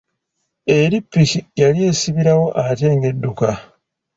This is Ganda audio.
Eri ppiki yali esibirawo ate nga edduka.